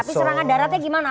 tapi serangan daratnya gimana